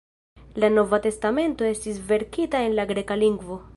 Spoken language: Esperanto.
La Nova Testamento estis verkita en la greka lingvo.